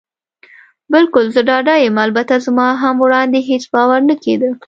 بلکل، زه ډاډه یم. البته زما هم وړاندې هېڅ باور نه کېده.